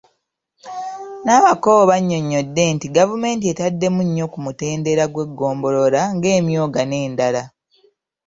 Nabakooba annyonnyodde nti gavumenti etaddemu nnyo ku mutendera gw'eggombolola ng'emyooga n'endala.